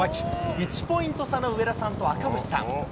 １ポイント差の上田さんと赤星さん。